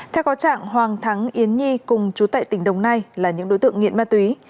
theo có trạng hoàng thắng yến nhi cùng chú tại tỉnh đồng nai là những đối tượng nghiện ma túy